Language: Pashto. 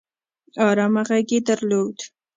ارامه غږ يې درلود